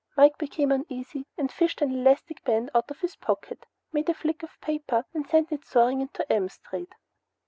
Mike became uneasy and fished an elastic band out of his pocket, made a flick of paper and sent it soaring out into M Street.